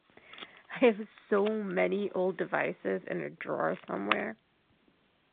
I have so many old devices in a drawer somewhere.